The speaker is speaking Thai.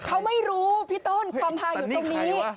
เขาไม่รู้พี่ต้นความฮาอยู่ตรงนี้